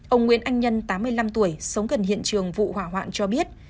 ông nguyễn anh nhân tám mươi năm tuổi sống gần hiện trường vụ hỏa hoạn cho biết